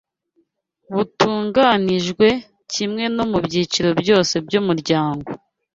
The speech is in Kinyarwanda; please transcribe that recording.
butunganijwe kimwe no mubyiciro byose byumuryango